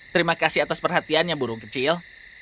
terima kasih atas perhatiannya burung kecil